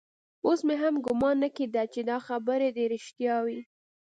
اوس مې هم ګومان نه کېده چې دا خبرې دې رښتيا وي.